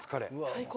最高。